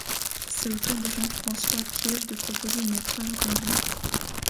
C'est au tour de Jean-François Piège de proposer une épreuve aux candidats.